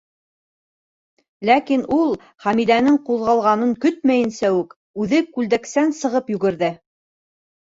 Ләкин ул, Хәмдиәнең ҡуҙғалғанын көтмәйенсә үк, үҙе күлдәксән сығып йүгерҙе.